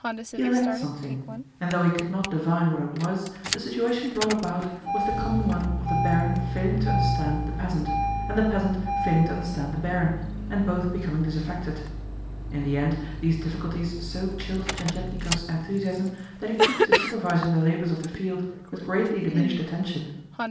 He lacked something; and though he could not divine what it was, the situation brought about was the common one of the barin failing to understand the peasant, and the peasant failing to understand the barin, and both becoming disaffected. In the end, these difficulties so chilled Tientietnikov's enthusiasm that he took to supervising the labours of the field with greatly diminished attention.